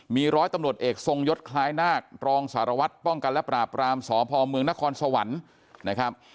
มีร้อยตำรวจเอกทรงยศคล้ายนาครองสารวัตรป้องกันและปราบรามสพเมืองนครสวรรค์นะครับ